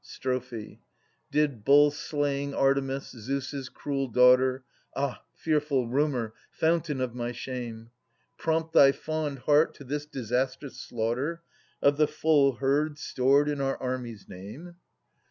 Strophe. Did bull slaying Artemis, Zeus' cruel daughter {Ah, fearful rumour, fountain of my shame !) Prompt thy fond heart to this disastrous slaughter Of the full herd stored in our army's name